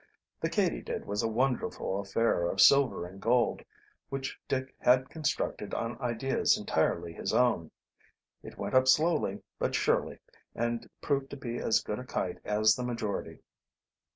The Katydid was a wonderful affair of silver and gold which Dick had constructed on ideas entirely his own. It went up slowly but surely and proved to be as good a kite as the majority.